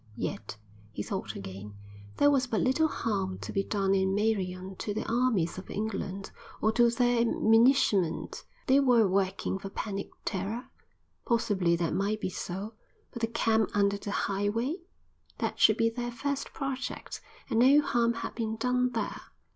Yet, he thought again, there was but little harm to be done in Meirion to the armies of England or to their munitionment. They were working for panic terror? Possibly that might be so; but the camp under the Highway? That should be their first object, and no harm had been done there.